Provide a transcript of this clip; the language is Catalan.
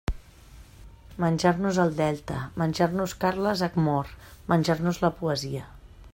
Menjar-nos el Delta, menjar-nos Carles Hac-mor, menjar-nos la poesia.